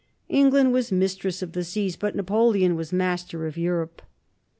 England was Mistress of the Seas, but Napoleon was Master of Europe.